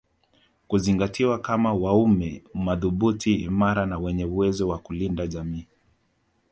Kuzingatiwa kama wanaume madhubuti imara na wenye uwezo wa kulinda jamii